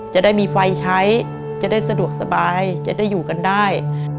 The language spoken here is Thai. จะได้มีไฟใช้จะได้สะดวกสบายจะได้อยู่กันได้